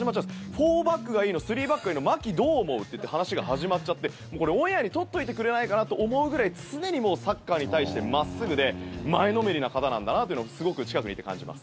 ４バックがいいの３バックがいいのマキ、どう思う？っていって話が始まっちゃってもうこれオンエアに取っといてくれないかなと思うぐらい常にサッカーに対して真っすぐで前のめりな方なんだなというのをすごく、近くでいて感じます。